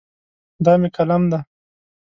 دا مې قلم دی.